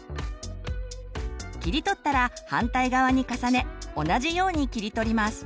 切り取ったら反対側に重ね同じように切り取ります。